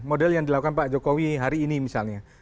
model yang dilakukan pak jokowi hari ini misalnya